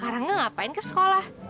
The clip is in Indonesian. rangga ngapain ke sekolah